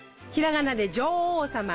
ひらがなで「女王様」！